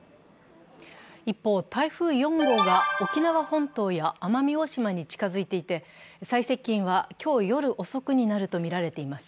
一方、台風４号が沖縄本島や奄美大島に近づいていて、最接近は今日夜遅くになるとみられています。